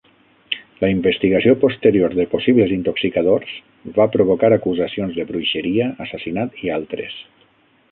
La investigació posterior de possibles intoxicadors va provocar acusacions de bruixeria, assassinat i altres.